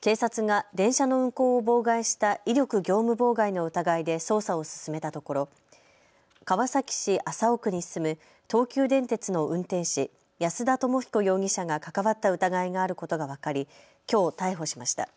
警察が電車の運行を妨害した威力業務妨害の疑いで捜査を進めたところ川崎市麻生区に住む東急電鉄の運転士、安田知彦容疑者が関わった疑いがあることが分かりきょう、逮捕しました。